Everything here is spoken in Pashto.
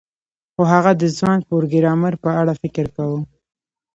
خو هغه د ځوان پروګرامر په اړه فکر کاوه